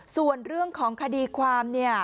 ส่วนเรื่องของคดีความ